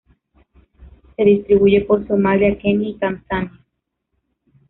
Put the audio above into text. Se distribuye por Somalia, Kenia y Tanzania.